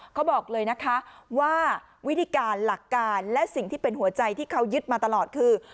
เขาบอกเลยนะคะว่าวิธีการหลักการและสิ่งที่เป็นหัวใจที่เขายึดมาตลอดคือ